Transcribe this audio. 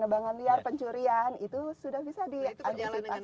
pembangan liar pencurian itu sudah bisa diaktifkan